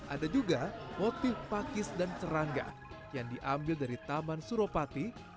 ada juga motif pakis dan serangga yang diambil dari taman suropati